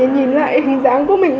nhìn lại hình dáng của mình